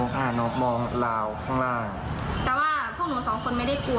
พวกนู้นก็เรากลับมาอย่างสับสนจบ